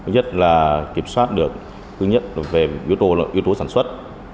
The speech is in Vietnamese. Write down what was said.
nhất là kiểm soát được thứ nhất về yếu tố sản xuất